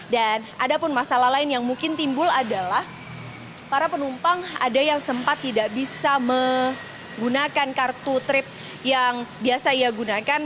dan ada pun masalah lain yang mungkin timbul adalah para penumpang ada yang sempat tidak bisa menggunakan kartu trip yang biasa ia gunakan